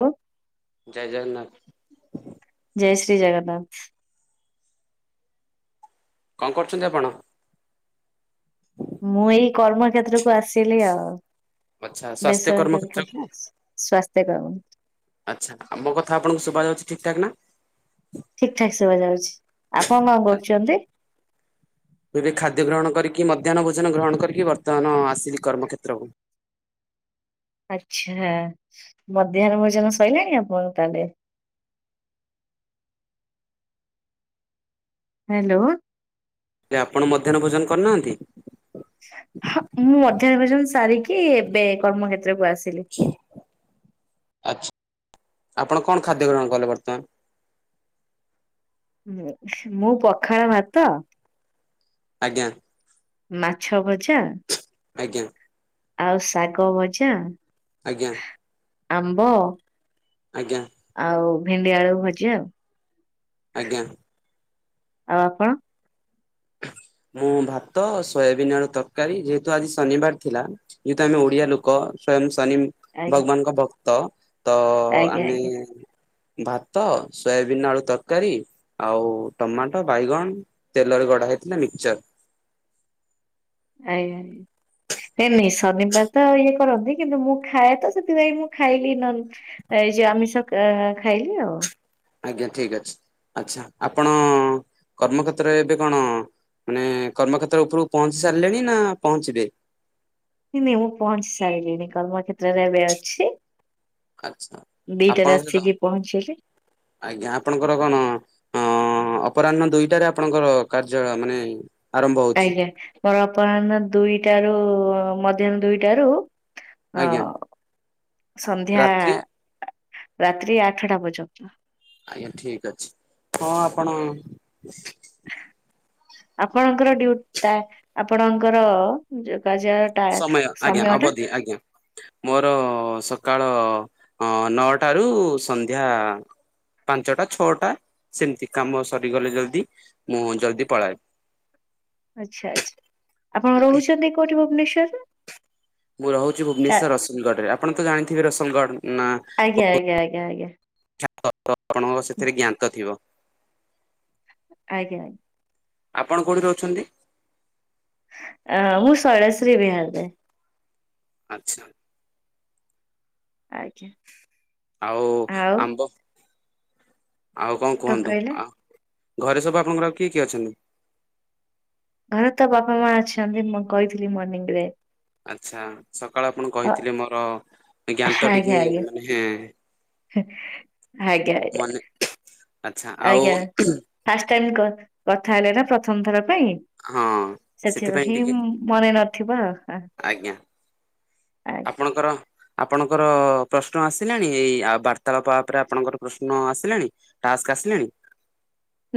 ହ ଜୟ ଜଗନ୍ନାଥ ଜୟ ଶ୍ରୀ ଜଗନ୍ନାଥ କଣ କରୁଚନ୍ତି ଆପଣ? ମୁଁ ଏଇ କର୍ମକ୍ଷେତ୍ର କୁ ଆସିଲି ଆଉ ଆଚ୍ଛା ସ୍ୱାସ୍ଥ୍ୟ ବେସହରା କରିକି କର୍ମକ୍ଷେତ୍ରକୁ ଆ ସ୍ଵସ୍ଥ୍ୟକାମ ଆଚ୍ଛା ଆମ କଥା ଆପଣକୁ ଶୁଭା ଯାଉଛି ଠିକ୍ ଠାକ୍ ନା। ଠିକ୍ ଠାକ୍ ଶୁଭା ଯାଉଛି ଆପଣ କଣ କରୁଚନ୍ତି? ମୁଁ ଏବେ ଖାଦ୍ୟ ଗ୍ରହଣ କରିକି ମଧ୍ୟାହନ ଭୋଜନ ଗ୍ରହଣ କରିକି ବର୍ତ୍ତମାନ ଆସିଲି କର୍ମକ୍ଷେତ୍ର କୁ। ଆଚ୍ଛା ମଧ୍ୟାହ୍ନ ଭୋଜନ ସଇଲାଣି ଆପଣ ତାେଲେ। ହାଲୋ। ହେଲେ ଆପଣ ମଧ୍ୟାହ୍ନ ଭୋଜନ କରିନାହାନ୍ତି? ମୁଁ ମଧ୍ୟାହ୍ନ ଭୋଜନ ସାରିକି ଏବେ କର୍ମକ୍ଷେତ୍ରକୁ ଆସିଲି। ଆଛା ଆପଣ କଣ ଖାଦ୍ୟ ଗ୍ରହଣ କଲେ ବର୍ତ୍ତମାନ? ମୁଁ ପଖାଳ ଭାତ ଆଜ୍ଞା। ମାଛ ଭଜା ଆଜ୍ଞା। ଆଉ ଶାଗ ଭଜା ଆଜ୍ଞା। ଆମ୍ବ। ଆଜ୍ଞା। ଆଉ ଭେଣ୍ଡି, ଆଳୁ, ଭଜା, ଆଉ ଆଜ୍ଞା। ଆଉ ଆପଣ? ମୁଁ ଭାତ ସୋୟାବିନ୍ ଆଳୁ ତରକାରୀ ଯେହେତୁ ଆଜି ଶନିବାର ଥିଲା। ଯେହେତୁ ଆମେ ଓଡିଆ ଲୋକ ସଵୟଂ ସନି ଆଜ୍ଞା ଭଗବାନଙ୍କ ଭକ୍ତ ତ ଆଜ୍ଞା ଆମେ ଆଜ୍ଞା ଭାତ ସୋୟାବିନ୍ ଆଳୁ ତରକାରୀ ଆଉ ଟମାଟୋ ବାଇଗଣ ତେଲରେ ଗ ଖଟା ହେଇଥିଲା ମିକ୍ଚର୍ ଆଜ୍ଞା ଏ ନାଇଁ ଶନିବାର ତ ଇଏ କରନ୍ତି କିନ୍ତୁ ମୁଁ ଖାଏ ତ ସେଥିପାଇଁ ମୁଁ ଖାଇଲି ନ ଏଇ ଯୋଉ ଆମିଷ ଖାଇଲି ଆଉ। ଆଜ୍ଞା ଠିକ୍ ଅଛି ଆଛା ଆପଣ କର୍ମକ୍ଷେତ୍ରରେ ଏବେ କଣ ମାନେ କର୍ମକ୍ଷେତ୍ର ଉପରକୁ ପହଞ୍ଚି ସାରିଲେଣି ନା ପହଞ୍ଚିବେ? ନଁ ନାଇଁ ମୁଁ ପହଞ୍ଚି ସାରିଲିଣି କର୍ମକ୍ଷ୍ଟ୍ରତ୍ରରେ ଏବେ ଅଛି। ଖ୍ରଚ। ଦିଇଟାରେ ଆସିକି ପହଞ୍ଚିଲି। ଆଜ୍ଞା ଆପଣଙ୍କର କଣ ହଁ ଅପରାହ୍ନ ଦୁଇଟାରେ ଆପଣଙ୍କର କାଯ୍ୟାଳୟ ମାନେ ଆରମ୍ଭ ହଉଛି ଆଜ୍ଞା ମୋର ଅପରାହ୍ନ ଦୁଇଟା ରୁ ମଧ୍ୟାହ୍ନ ଦୁଇଟାରୁ ହଁ ଆଜ୍ଞା ସନ୍ଧ୍ୟା ରାତ୍ରି ରାତ୍ରି ଆଠଟା ପର୍ଯ୍ୟନ୍ତ। ଆଜ୍ଞା ଠିକ ଅଛି ହଁ ଆପଣ ଆପଣଙ୍କର ଡିୟୁଟି ଟା ଆପଣଙ୍କର ଯୋଗାଯା ଟା ସମୟ ଆଜ୍ଞା ସମୟ ଟା ଅବଧି ଆଜ୍ଞା। ମୋର ସକାଳ ନଅଟାରୁୁ ସନ୍ଧ୍ୟା ପାଞ୍ଚଟା ଛଅଟା ସେମିତି କାମ ସରିଗଲେ ଜଲ୍ଦି ମୁଁ ଜଲ୍ଦି ପଳାଏ। ଆଛା ଆଛା ଆପଣ ରହୁଛନ୍ତି କୋଉଠି ଭୁବନେଶ୍ୱର ରେ? ମୁଁ ରହୁଛି ଭୁବନେଶ୍ୱର ରସୁଲଗଡ ରେ ଆପଣ ତ ଜାଣିଥିବେ ରସଲଗଡ ନା? ଆଜ୍ଞା ଆଜ୍ଞା ଆଜ୍ଞା ଆଜ୍ଞା। ଶିକ୍ଷା ଆପଣଙ୍କ ସେଥିରେ ଜ୍ଞାତ ଥିବ? ଆଜ୍ଞାଜ୍ଞା। ଆପଣ କୋଉଠି ରହୁଛନ୍ତି? ଅ ମୁଁ ଶୈଳଶ୍ରୀ ବିହାରରେ। ଆଚ୍ଛା। ଆଜ୍ଞା। ଆଉ ଆଉ ଆମ୍ବ ଆଉ କଣ କୁହନ୍ତୁ ଆ ଘରେ ସବୁ ଆପଣଙ୍କର ଆଉ କିଏ କିଏ ଅଛନ୍ତି? ଘରେ ତ ବାପା ମା ଅଛନ୍ତି ମୁଁ କହିଥିଲି ମର୍ଣିିଂ ରେ ଆଚ୍ଛା ସକାଳ ଆପଣ ଅ କହିଥିଲେ ମୋର ଜ୍ଞାତ ଟିକେ ଆଜ୍ଞା ଆଜ୍ଞା ମାନେ ଆଜ୍ଞା ଆଜ୍ଞା ମନେ ଆଚ୍ଛା ଆଜ୍ଞା। ଆଉ ଫାଷ୍ଟ ଟାଇମ କଥା ହେଲେ ନା ପ୍ରଥମ ଥର ପାଇଁ ହଁ ସେଥିପାଇଁ ହିଁ ମନେ ନଥିବ। ଆଜ୍ଞା ଆପଣଙ୍କର ଆପଣଙ୍କର ପ୍ରଶ୍ନ ଆସିଲାଣି ଏଇ ଆଉ ବାର୍ତାଳାପ ଉପରେ ଆପଣଙ୍କର ପ୍ରଶ୍ନ ଆସିଲାଣି? ଟାସ୍କ ଆସିଲାଣି?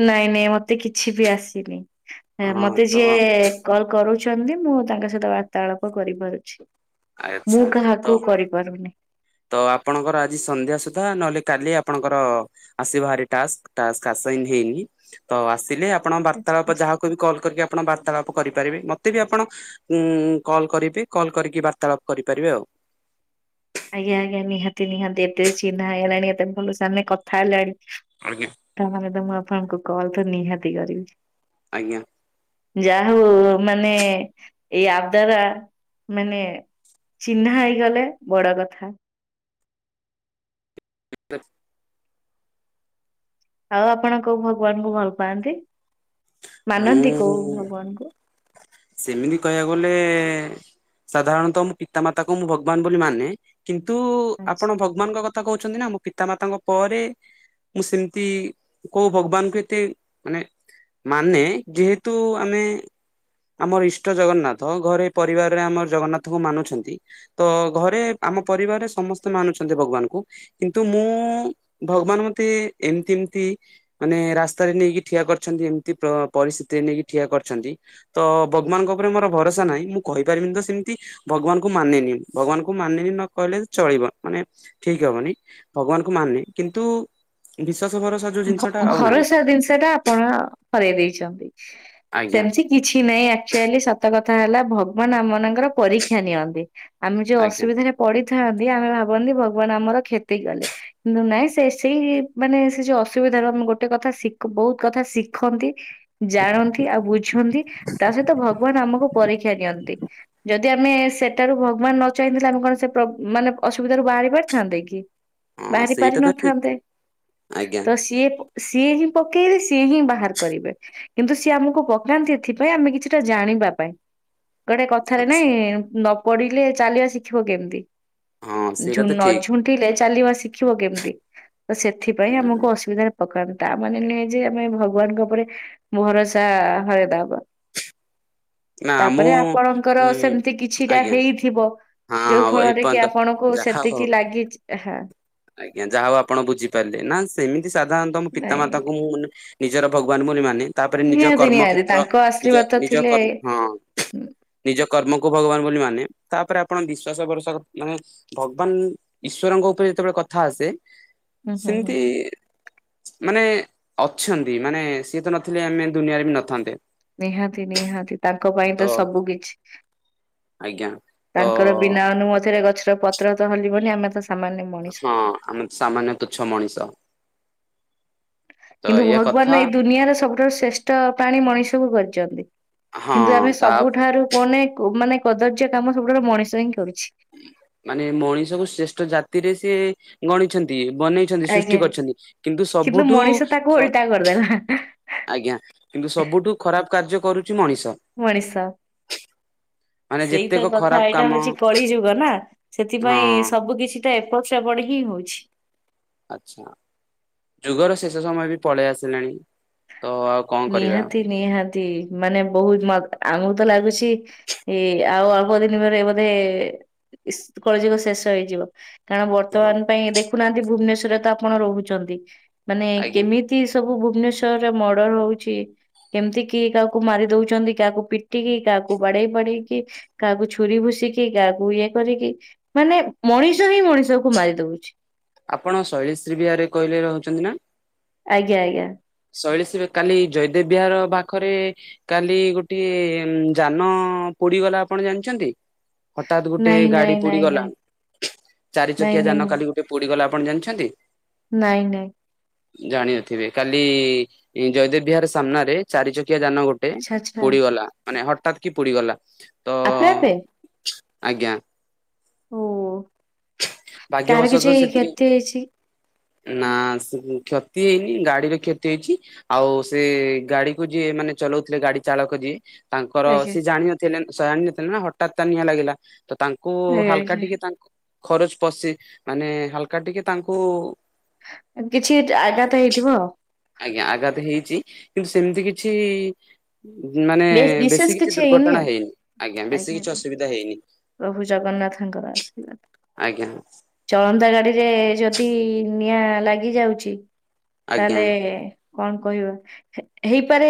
ନାଇଁ ନାଇଁ ମତେ କିଛି ବି ଆସିନି ହଁ ମତେ ତ ଯିଏ କଲ କରୁଛନ୍ତି ମୁଁ ତାଙ୍କ ସହିତ ବାର୍ତ୍ତାଳାପ କରିପାରୁଛି ଆଚ୍ଛା ମୁଁ ତ କାହାକୁ କରି କରିବିନି ତ ଆପଣଙ୍କର ଆଜି ସନ୍ଧ୍ୟା ସୁଦ୍ଧା ନହେଲେ କାଲି ଆପଣଙ୍କର ଆସିବ ହେରି ଟାସ୍କ ହେଇନି ତ ଆସିଲେ ଆ ଆପଣ ଆଚ୍ଛା ବାର୍ତ୍ତାଳାପ ଆଚ୍ଛା ଯାହାକୁ ବି କଲ୍ କରିକି ଆପଣ ବାର୍ତ୍ତାଳାପ କରିପାରିବେ ମତେ ବି ଆପଣ ଉଁ କଲ୍ କରିବି କଲ୍ କରିକି ବାର୍ତ୍ତାଳାପ କରିପାରିବେ ଆଉ। ଆଜ୍ଞା ଆଜ୍ଞା ନିହାତି ନିହାତି ଏତେ ଚିହ୍ନା ହେଇଗଲାଣି ଏତେ ଭଲ ସାେ କଥା ହେଲାଣି ଆଜ୍ଞା। ତାମାନେ ତ ମୁଁ ଆପଣଙ୍କୁ କଲ ତ ନିହାତି କରିବି। ଆଜ୍ଞା। ଯା ହଉ ମାନେଏଇ ଆପ ଦ୍ଵାରା ମାନେ ଚିହ୍ନା ହେଇଗଲେ ବଡ କଥା। [unintelligible] ଆଉ ଆପଣ କୋଉ ଭଗବାନଙ୍କୁ ଭଲ ପାଆନ୍ତି ମାନନ୍ତି କୋଉ ମୁଁ ଭଗବାନ କୁ? ସେମିତି କହିବାକୁ ଗଲେ ସାଧାରଣତଃ ମୋ ପିତାମାତାକୁ ମୁଁ ଭଗବାନ ବୋଲି ମାନେ। କିନ୍ତୁ ଆଚ୍ଛା। ଆପଣ ଭଗବାନଙ୍କ କଥା କହୁଛନ୍ତି ନା ମୁ ପିତା ମାତାଙ୍କ ପରେ ମୁଁ ସେମିତି କହୁ ଭଗବାନଙ୍କୁ ଏତେ ମାନେ ମାନେ ଯେହେତୁ ଆମେ ଆମର ଇଷ୍ଟ ଜଗନ୍ନାଥ ଘରେ ପରିବାରରେ ଆମର ଜଗନ୍ନାଥଙ୍କୁ ମାନୁଛନ୍ତି। ତ ଘରେ ଆମ ପରିବାରରେ ସମସ୍ତେ ମାନୁଛନ୍ତି ଭଗବାନଙ୍କୁ। କିନ୍ତୁ ମୁଁ ଭଗବାନ ମତେ ଏମିତି ଏମତି ମାନେ ରାସ୍ତାରେ ନେଇକି ଠିଆ କରିଛନ୍ତି ଏମିତି ପରିସ୍ଥିତିରେ ନେଇକି ଠିଆ କରିଛନ୍ତି। ତ ଭଗବାନଙ୍କ ଉପରେ ମୋର ଭରସା ନାହିଁ ମୁଁ କହିପାରିବିନି ତ ସେମିତି ଭଗବାନଙ୍କୁ ମାନେିନି ଭଗବାନଙ୍କୁ ମାନେନି ନ କହିଲେ ଚଳିବ ମାନେ ଠିକ ହବନି ଭଗବାନକୁ ମାନେ କିନ୍ତୁ ବିଶ୍ଵାସ ଭରସା ଯୋଉ ଜିନିଷ ଭ ଟା ଆଉ ନାହିଁ ଭରସା ଜିନିଷ ଟା ଆପଣ ହରେଇ ଦେଇଛନ୍ତି। ଆଜ୍ଞା [unintelligible] କିଛି ନାହିଁ ଆକ୍ଚୁଆଲି ସତ କଥା ହେଲା ଭଗବାନ ଆମମାନଙ୍କର ପରୀକ୍ଷା ନିଅନ୍ତି। ଆମେ ଯୋଉ ଆଜ୍ଞା। ଅସୁବିଧାରେ ପଡିଥାନ୍ତି ଆମେ ଭାବନ୍ତି ଭଗବାନ ଆମର କ୍ଷତି କଲେ। କି ନାଇଁ ସେ ସେଇ ମାନେ ସେ ଯୋଉ ଅସୁବିଧା ରହ ଆମ ଗୋଟେ କଥା ଶି ବହୁତ କଥା ଶିଖନ୍ତି। ଜାଣନ୍ତି ଆଉ ବୁଝନ୍ତି ତା ସହିତ ଭଗବାନ ଆମକୁ ପରୀକ୍ଷା ଦିଅନ୍ତି। ଯଦି ଆମେ ସେଠାରୁ ଭଗବାନ ନ ଚାହିଁଥିଲେ ଆମେ କଣ ସେ ପ୍ର ମାନେ ଅସୁବିଧାରୁ ବାହାରି ପାରିଥାନ୍ତେ କି? ହଁ ବାହାରି ସେଇଟା ତ ଠିକ ପାରିନଥାନ୍ତେ। ଆଜ୍ଞା। ତ ସିଏ ସିଏ ହିଁ ପକେଇବେ ସିଏ ହିଁ ବାହାର କରିବେ। କିନ୍ତୁ ସିଏ ଆମକୁ ପକାନ୍ତି ଏଥିପାଇଁ ଆମେ କିଛିଟା ଜାଣିବା ପାଇଁ। ଗୋଟେ କଥାରେ ଆଛା। ନାଇଁ ନ ପଡିଲେ ଚାଲିବା ଶିଖିବ କେମିତି? ହଁ ସେଇଟା ଝୁ ତ ନ ଠିକ ଝୁଣ୍ଟିଲେ ଚାଲିବା ଶିଖିବ କେମିତି ତ ସେଥିପାଇଁ ଆମକୁ ହୁଁ ଅସୁବିଧାରେ ପକାନ୍ତା ଆ ମାନେ ନୁହେଁ ଯେ ଆମେ ଭଗବାନଙ୍କ ଉପରେ ଭରସା ହରେଇଦବା। ନା ମୁଁ ତାପରେ ଆପଣଙ୍କର ଉଁ ସେମିତି କିଛିଟା ଆଜ୍ଞା ହେଇଥିବ? ହଁ ଯୋଉ ହଉ ଫଳରେ କି ଏପର୍ଯ୍ୟନ୍ତ ଆପଣଙ୍କୁ ଯାହା ହଉ ସେତିକି ଲାଗିଛି ହଁ। ଆଜ୍ଞା ଯାହା ହଉ ଆପଣ ବୁଝିପାରିଲେ ନା ସେମିତି ସାଧାରଣତଃ ମୋ ପିତା ନାଇଁ ମାତାଙ୍କୁ ମୁଁ ମାନ ନିଜର ଭଗବାନ ବୋଲି ମାନେ ତାପରେ ନିଜ ନିହାତି ନିହାତି କର୍ମକ୍ଷେତ୍ର ତାଙ୍କ ନିଜ ଆଶୀର୍ବାଦ ନିଜ ଥିଲେ କର୍ ହଁ। ହୁଁ ନିଜ କର୍ମକୁ ଭଗବାନ ବୋଲି ମାନେ ତାପରେ ଆପଣ ବିଶ୍ଵାସ ଭରଷା ମାନେ ଭଗବାନ ଈଶ୍ୱରଙ୍କ ଉପରେ ଯେତେବେଳେ କଥା ଆସେ ହୁଁ ହୁଁ। ସେମିତି ମାନେ ଅଛନ୍ତି ମାନେ ସିଏ ତ ନଥିଲେ ଆମେ ଦୁନିଆରେ ବି ନଥାନ୍ତେ। ନିହାତି ନିହାତି। ତାଙ୍କ ପାଇଁ ତ ସବୁ କିଛି ଆଜ୍ଞା ତ ତାଙ୍କର ବିନା ଅନୁମତିରେ ଗଛର ପ ପତ୍ର ତ ହଲିବନି ଆମେ ସାମାନ୍ୟ ମାତ୍ର ହଁ ଆମେ ସାମାନ୍ୟ ତୁଛ ମଣିଷ। ତ କିନ୍ତୁ ଏଇଆ କଥା ଭଗବାନ ଏଇ ଦୁନିଆର ସବୁଠାରୁ ଶ୍ରେଷ୍ଠ ପ୍ରାଣୀ ମଣିଷ କୁ କରିଛନ୍ତି। ହଁ କିନ୍ତୁ ଆମେ ତା ସବୁଠାରୁ କୁନେ ମାନେ କଦର୍ଯ୍ୟ କାମ ସବୁଠାରୁ ମଣିଷ ହିଁ କରୁଛି। ମାନେ ମଣିଷକୁ ଶ୍ରେଷ୍ଠ ଜାତିରେ ସେଏ ଗଣିଛନ୍ତି ବନେଇ ସୃଷ୍ଟି ଆଜ୍ଞା କରିଛନ୍ତି କିନ୍ତୁ ସବୁଠୁ ଖ କର ନା ଆଜ୍ଞା କିନ୍ତୁ ସବୁଠୁ ଖରାପ କାର୍ଯ୍ୟ କରୁଛି ମଣିଷ। ମଣିଷ। ମାନେ ସେଇତ ଯେତେକ କଥା ଖରାପ ଏଇଟା କାମ ହଉଛି କଳି ଯୁଗ ନା ସେଥିପାଇଁ ହଁ ସବୁ କିଛି? ଏପଟ ସେପଟ ହିଁ ହଉଛି। ଆଚ୍ଛା ଯୁଗର ଶେଷ ସମୟ ବି ପଳେଇ ଆସିଲାଣି ତ ଆଉ କଣ କରିବା ନିହାତି ନିହାତି ମାନେ ବହୁତ ଆମକୁ ତ ଲାଗୁଛି ଏଇ ଆଉ ଅଳ୍ପ ଦିନ ପରେ ବୋଧେ କଳି ଯୁଗ ଶେଷ ହେଇଯିବ। କାରଣ ହଁ ବର୍ତ୍ତମାନ ପାଇଁ ଦେଖୁନାହାନ୍ତି ଭୁବନେଶ୍ଵରରେ ତ ଆପଣ ରହୁଛନ୍ତି ମାନେ ଆଜ୍ଞା କେମିତି ସବୁ ଭୁବନେଶ୍ଵରରେ ମର୍ଡର ହଉଛି। କେମିତି କିଏ କାହାକୁ ମାରି ଦଉଛନ୍ତି କାହାକୁ ପିଟିକି କାହାକୁ ବାଡେଇ ବାଡେଇକି। କାହାକୁ ଛୁରୀ ଭୁଷିକି କାହାକୁ ଇଏ କରିକି ମାନେ ମଣିଷ ହିଁ ମଣିଷ କୁ ମାରି ଦଉଛି। ଆପଣ ଶୈଳଶ୍ରୀ ବିହାରରେ କହିଲେ ରହୁଛନ୍ତି ନା? ଆଜ୍ଞା ଆଜ୍ଞା। ଶୈଳଶୀ କାଲି ଜୟଦେବ ବିହାର ପାଖରେ କାଲି ଗୋଟିଏ ଯାନ ପୋଡିଗଲା ଆପଣ ଜାଣିଛନ୍ତି? ହଠାତ୍ ଗୋଟେ ନାଇଁ ଗାଡି ନାଇଁ ପୋଡି ନାଇଁ ଗଲା ନାଇଁ ଚାରି ନାଇଁ ଚକିଆ ନାଇଁ ଯାନ ମୁଁ- କାଲି ଗୋଟେ ଏବେ ପୁଡ଼ିଗଲା ଆପଣ ଜାଣିଛନ୍ତି। ନାଇଁ ନାଇଁ। ଜାଣିିନଥିବେ କାଲି ଜୟଦେବ ବିହାର ସାମ୍ନାରେ ଚାରି ଚକିଆ ଯାନ ଗୋଟେ ଆଚ୍ଛା ଆଚ୍ଛା। ଗୋଟେ ପୁଡିଗଲା ମାନେ ହଠାତ୍ କି ପୋଡିଗଲା ତ ଆପେ ଆପେ। ଆଜ୍ଞା। ଓ କାହାର ଭାଗ୍ୟବଶତଃ କିଛିଇ ସେଥିରେ କ୍ଷତି ହେଇଛି। ନା କ୍ଷତି ହେଇନି ଗାଡିର କ୍ଷତି ହେଇଛି। ଆଉ ସେ ଗାଡି କୁ ଯିଏ ମାନେ ଚଲାଉଥିଲେ ଗାଡି ଚାଳକ ଯିଏ ତାଙ୍କର ଆଜ୍ଞା ସିଏ ଜାଣିନଥିଲେ ଜାଣିନଥିଲେ ନା ହଠତ୍ ତା ନିଆଁ ଲାଗିଲା ତ ତାଙ୍କୁ ଆଜ୍ଞା ହାଲକା ଆଜ୍ଞା। ଟିକେ ତା ଖରଚ ପଶି ମାନେ ହାଲକା ଟିକେ ତାଙ୍କୁ କିଛି ଆଘାତ ହେଇଥିବ। ଆଜ୍ଞା ଆଘାତ ହେଇଛି କିନ୍ତୁ ସେମିତି କିଛି ମାନେ ବେଶ ବେଶୀ ବିଶେଷ କିଛି ଦୁର୍ଘଟଣା ଆଉ ହେଇନି ଆଜ୍ଞା ବେଶୀ କିଛି ଅସୁବିଧା ହେଇନି। ପ୍ରଭୁ ଜଗନ୍ନାଥଙ୍କର ଆଶୀର୍ବାଦ। ଆଜ୍ଞା। ଚଳନ୍ତା ଗାଡିରେ ଯଦି ନିଆଁ ଲାଗି ଯାଉଛି ଆଜ୍ଞା ତାହେଲେ। କଣ କହିବା ହେଇପାରେ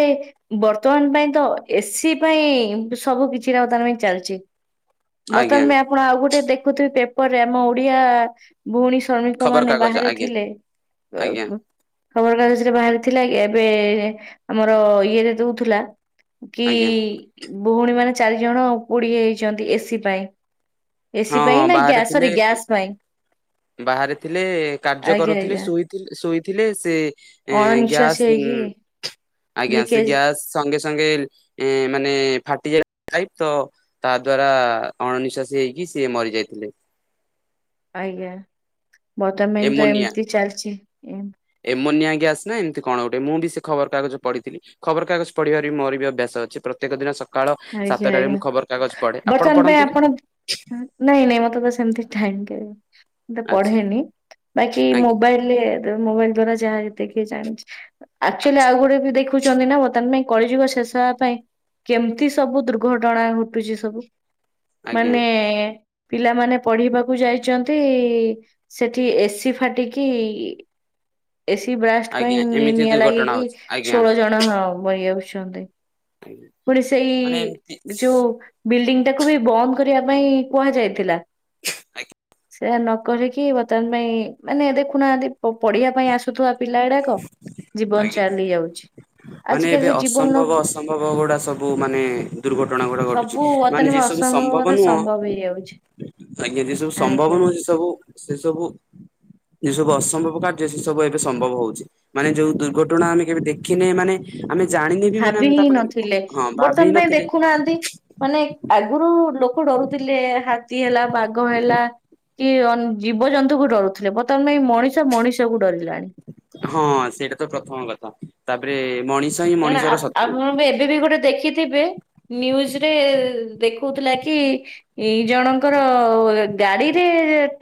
ବର୍ତ୍ତମାନ ପାଇଁ ତ ଏସି ପାଇଁ ସବୁ କିଛିଟା ବର୍ତ୍ତମାନ ପାଇଁ ଚାଲିଛି ବର୍ତ୍ତମାନ ଆଜ୍ଞା ପାଇଁ। ଆପଣ ଆଉ ଗୋଟେ ଦେଖୁଥିବେ ପେପରରେ ଆମ ଓଡିଆ। ଭଉଣୀ ଶ୍ରମିକ ଖବର ମାନେ କାଗଜ ବାହାରେ ଆଜ୍ଞା ଥିଲେ। ଆଜ୍ଞା ଖବର କାଗଜ ରେ ବାହାରିଥିଲା କି ଏବେ ଆମର ଇଏରେ ଦଉଥିଲା। କି ଆଜ୍ଞା ଭଉଣୀ ମାନେ ଚାରି ଜଣ ଆଉ କୁଡି ହେଇଛନ୍ତି ଏସି ପାଇଁ। ହଁ ଏସି ହଁ ପାଇଁ ନା ଗ୍ୟାସ ସରି ଗ୍ୟାସ୍ ପାଇଁ। ବାହାରେି ଥିଲେ କାର୍ଯ୍ୟ ଆଜ୍ଞା କରୁଥିଲେ ଆଜ୍ଞା ଶୋଇ ଶୋଇଥିଲେ ସେ। ଏ ଅଣନିଶ୍ୱାସୀ ଗ୍ୟାସ ହେଇକି ଆଜ୍ଞା ସେ ଲିକେଜ ଗ୍ୟାସ୍। ସଙ୍ଗେ ସଙ୍ଗେ ଏ ମାନେ ଫାଟିଯାଇପ ତ ତା ଦ୍ଵାରା ଅଣନିଶ୍ୱାସ ହେଇକି ସିଏ ମରି ଯାଇଥିଲେ। ଆଜ୍ଞା ବର୍ତମାନ ତ ଏମିତି ଚାଲିଛି ଏ। ଏମୋନି ଗ୍ୟାସ ନା ଏମିତି କଣ ଗୋଟ ମୁଁ ବି ସେ ଖବରକାଗଜ ପଢିଥିଲି। ଖବରକାଗଜ ପଢିବାର ବି ମୋର ବି ଅଭ୍ୟାସ ଅଛି ପ୍ରତ୍ୟେକ ଦିନ ସ ସକାଳ ଆଜ୍ଞା ସାତଟାରେ ଆଜ୍ଞା ମୁଁ ଖବର କାଗଜ ପଢେ ଆପଣ ବର୍ତ୍ତମାନ ପାଇଁ ପଢନ୍ତି ନା? ଆପଣ ନାଇଁ ନାଇଁ ମତେ ତ ସେମିତି ଟାଇମ କେବେ। ଆଚ୍ଛା ପଢେନି ବାକି ଆଜ୍ଞା ମୋବାଇଲରେ ମୋବାଇଲ ଦ୍ଵାରା ଯାହା ଯେତେ କିଏ ଜାଣିଛି। ଆଚୁଆଲି ଆଉ ଆଚ୍ଛା ଗୋଟେ ବି ଦେଖୁଛନ୍ତି ନା ବତ୍ତମାନ ପାଇଁ କଳିଯୁଗ ଶେଷ ହେବା ପାଇଁ କେମିତି ସବୁ ଦୁର୍ଘଟଣା ଘଟୁଛି ସବୁ ଆଜ୍ଞା ମାନେ ପିଲାମାନେ ପଢିବାକୁ ଯାଇଛନ୍ତି ସେଠି ଏସିି ଫାଟିକି ଏସି ବ୍ରାଷ୍ଟ ପାଇଁ ଆଜ୍ଞା ଏମିତି ନିଆଁ ଦୁର୍ଘଟଣା ଲାଗିକି ହଉଛି ଆଜ୍ଞା ଷୋଳ ଜଣ ବରି ଆସଛନ୍ତି। ଆଜ୍ଞା ପୁଣି ସେଇ ମାନେ ଏମିତି ଯୋଉ ବିଲ୍ଡିଂ ଟାକୁ ବି ବନ୍ଦ କରିବା ପାଇଁ କୁହାଯାଇଥିଲା। ଆଜ୍ଞା। ସେଇୟା ନକରିକି ବର୍ତ୍ତମାନ ପାଇଁ ମାନେ ଦେଖୁନାହାନ୍ତି ପଢିବା ପାଇଁ ଆସୁ ଥିବା ପିଲା ଗୁଡାକ ଜୀବନ ଆଜ୍ଞା ଚାଲି ଯାଉଛି ଆଜି କାଲିରେ ଜୀବନର। ସମ୍ଭବ ଗୁଡା ସବୁ ମାନେ ଦୁର୍ଘଟଣା ଗୁଡା ଘଟୁଛି ମାନେ ଯିଏ ସବୁ ସମ୍ଭବ ନୁହଁ। ହୋଇଯାଉଛି। ଆଜ୍ଞା ଯିଏ ସବୁ ସମ୍ଭାବ ନୁହେଁ ସେ ସବୁ ସେ ସବୁ। ଯିଏ ସବୁ ଅସମ୍ଭବ କାର୍ଯ୍ୟ ସେ ସବୁ ଏବେ ସମ୍ଭବ ହଉଛି। ମାନେ ଯୋଉ ଦୁର୍ଘଟଣା ଆମେ କେବେ ଦେଖିନେ ମାନେ ଆମେ ଜାଣି ଭାବି ହିଁ ନଥିଲେ ବର୍ତ୍ତମାନ ପାଇଁ ନଥିଲେ ଦେଖୁନାହାନ୍ତି ମାନେ ଆଗୁରୁ ଲୋକ ଡରୁଥିଲେ ହାତୀ ହେଲା ବାଘ ହେଲା କି ଅନ୍ ଜୀବଜନ୍ତୁକୁ ଡରୁଥିଲେ ବର୍ତ୍ତମାନ ପା ଏଇ ମଣିଷ ମଣିଷକୁ ଡରିଲାଣି। ହଁ ସେଇଟା ତ ପ୍ରଥମ କଥା ତାପରେ ମଣିଷ୍ କାରଣ ଆପ ଆପଣ ପା ଏବେ ବି ଗୋଟେ ଦେଖି ଥିବେ ନ୍ୟୁଜରେ ଦେଖଉଥିଲା କି ଏଇ ଜଣଙ୍କର ଗାଡିରେ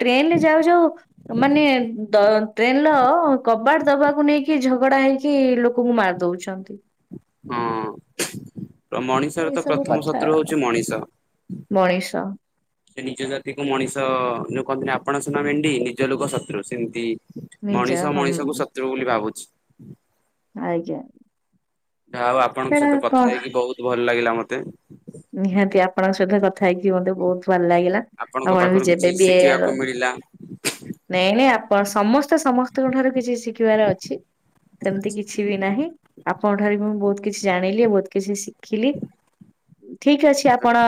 ଟ୍ରେନରେ ଯାଉ ଯାଉ ମାନେ ଉଁ ଦ ଟ୍ରେନଲ କବାଟ ଦବାକୁ ନେଇକି ଝଗଡା ହେଇ କି ଲୋକୁଙ୍କୁ ମାରି ଦଉଛନ୍ତି। ହଁ। ଅ ମଣିଷର ଏଇ ତ ସବୁ ପ୍ରଥମ କଥା ଶତ୍ରୁ ହଉଛି ମଣିଷ। ମଣିଷ ସେ ନିଜ ଜାତିକୁ ମଣିଷ ଯୋଉ କହନ୍ତିନି ଆପଣ ସୁନା ଭେଣ୍ଡି ନିଜ ଲୋକ ଶତ୍ରୁ ସିମତି ନିଜ ମଣିଷ ହଁ ମଣିଷକୁ ଶତ୍ରୁ ବୋଲି ଭାବୁଛି। ଆଜ୍ଞା। ଢା ହଉ ଆପଣଙ୍କ ସେଟା ସହିତ କଥା କଣ ହେଇକି ବୋହୁତ ଭଲ ଲାଗିଲା ମତେ। ନିହାତି ଆପଣଙ୍କ ସହିତ କଥା ହେଇକି ମତେ ବୋହୁତ ଭଲ ଲାଗିଲା। ଆପଣଙ୍କ ଆପଣ ପାଖରୁ ବି କିଛି ଯେବେ ବି ଏ ଶିଖିବାକୁ ଅ ମିଳିଲା ନାଇଁ ନାଇଁ ଆପ ସମସ୍ତେ ସମସ୍ତିଙ୍କ ଠାରୁ କିଛି ଶିଖିବାର ଅଛି। ସେମତି କିଛି ବି ନାହିଁ ଆପଣଙ୍କ ଠାରୁ ବି ମୁଁ ବୋହୁତ କିଛି ଜାଣିଲି ବୋହୁତ କିଛି ଶିଖିଲି। ଉଁ ଠିକ୍ ଅଛି। ଚି ଆପଣ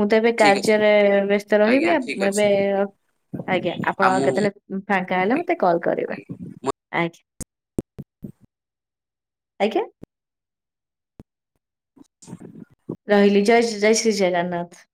ମୁଁ ତ ଏବେ ଠିକ ଅଛି କାର୍ଯ୍ୟରେ ବେସ୍ତ ଆଜ୍ଞା ରହିବି ଆବ୍ ଠିକ ମୁଁ ଅଛି। ଏବେ ଆ ଆଜ୍ଞା ଆପଣ ଆଉ ମୁଁ କେତେନେ ଉଁ ଫାଙ୍କା ହେଲେ ଆଜ୍ଞା ମତେ କଲ୍ କରିବେ ଆଜ୍ଞା। ଆଜ୍ ଆଜ୍ଞା। ରହିଲି ଜୟ ଶ୍ରୀ ଜୟ ଶ୍ରୀ ଜଗନ୍ନାଥ।